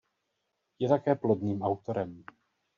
Je také plodným autorem.